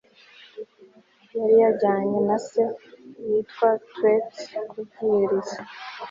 yari yajyanye na se witwa tueti kubwiriza